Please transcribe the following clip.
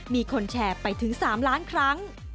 มีคนแชร์ไปถึง๓ล้านครั้ง